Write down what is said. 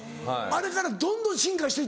あれからどんどん進化して？